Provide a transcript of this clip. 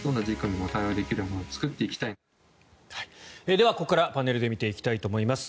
ではここからパネルで見ていきたいと思います。